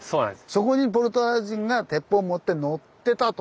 そこにポルトガル人が鉄砲を持って乗ってたと。